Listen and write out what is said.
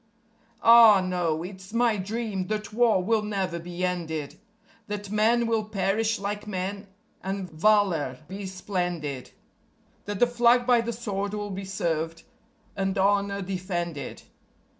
Ah no! it's my dream that War will never be ended; That men will perish like men, and valour be splendid; That the Flag by the sword will be served, and honour defended.